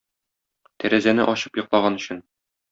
Тәрәзәне ачып йоклаган өчен.